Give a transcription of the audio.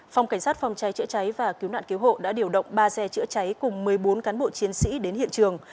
phòng cảnh sát phòng cháy chữa cháy và cứu nạn cứu hộ đã điều động ba xe chữa cháy cùng một mươi bốn cán bộ chiến sĩ đến hiện trường